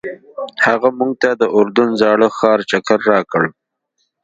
هغه موږ ته د اردن زاړه ښار چکر راکړ.